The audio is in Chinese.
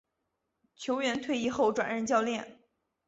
球员退役后转任教练。